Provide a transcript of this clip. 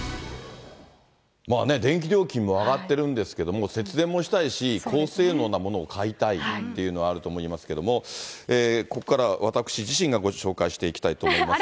まあ、電気料金も上がってるんですけれども、節電もしたいし、高性能なものを買いたいっていうのはあると思いますけれども、ここからは私自身がご紹介していきたいと思います。